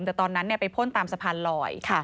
แต่ตอนนั้นไปพ่นตามสะพานลอย